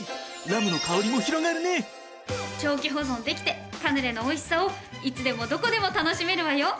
長期保存できてカヌレのおいしさをいつでもどこでも楽しめるわよ！